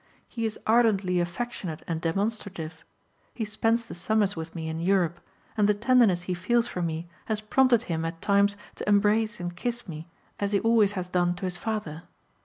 He is ardently affectionate and demonstrative. He spends the summers with me in Europe, and the tenderness he feels for me has prompted him at times to embrace and kiss me as he always has done to his father.